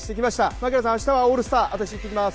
槙原さん、明日はオールスター行ってきます。